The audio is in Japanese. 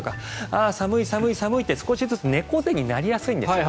ああ、寒い、寒い、寒いって少しずつ猫背になりやすいんですよね。